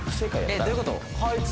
えっどういうこと？